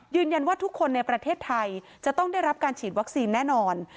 ทุกคนในประเทศไทยจะต้องได้รับการฉีดวัคซีนแน่นอน